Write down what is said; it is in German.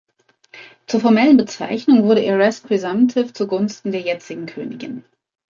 Zur formellen Bezeichnung wurde Heiress Presumptive zugunsten der jetzigen Königin.